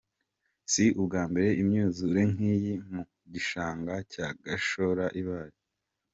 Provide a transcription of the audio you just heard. Si ubwa mbere imyuzure nk’iyi mu gishanga cya Gashora ibaye.